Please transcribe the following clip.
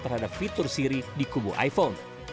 terhadap fitur siri di kubu iphone